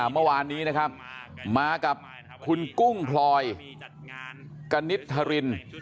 เมื่อวานนี้นะครับมากับคุณกุ้งพลอยกณิตธริน